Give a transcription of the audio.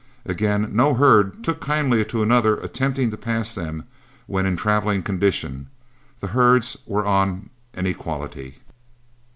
Again, no herd took kindly to another attempting to pass them when in traveling condition the herds were on an equality.